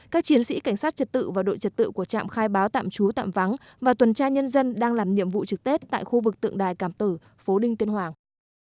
các chiến sĩ cảnh sát trật tự và đội trật tự của trạm khai báo tạm trú tạm vắng và tuần tra nhân dân đang làm nhiệm vụ trực tết tại khu vực tượng đài cảm tử phố đinh tuyên hoàng